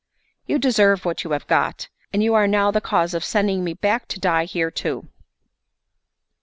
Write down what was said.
You deserve what you have got, and you are now the cause of sending me back to die here too."